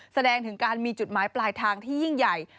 แสดงถึงการมีจุดหมายปลายทางที่ยิ่งใหญ่